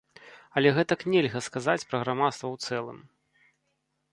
Але гэтак нельга сказаць пра грамадства ў цэлым.